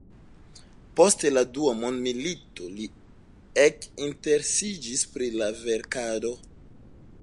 Post la dua mondmilito li ekinteresiĝis pri la verkado.